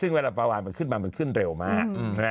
ซึ่งเวลาปลาวานมันขึ้นมามันขึ้นเร็วมาก